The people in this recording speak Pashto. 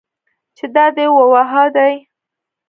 چې دا دي و ها دي.